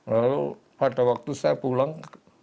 lalu pada waktu saya pulang